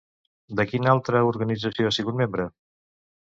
De quina altra organització ha sigut membre?